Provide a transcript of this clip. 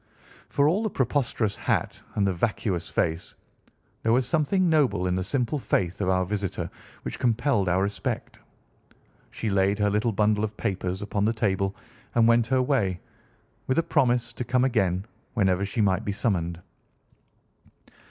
For all the preposterous hat and the vacuous face, there was something noble in the simple faith of our visitor which compelled our respect. She laid her little bundle of papers upon the table and went her way, with a promise to come again whenever she might be summoned.